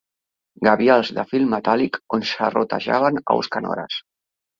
Gavials de fil metàl·lic on xerrotejaven aus canores